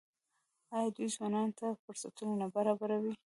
آیا دوی ځوانانو ته فرصتونه نه برابروي؟